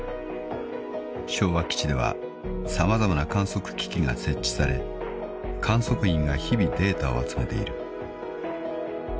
［昭和基地では様々な観測機器が設置され観測員が日々データを集めている］